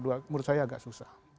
menurut saya agak susah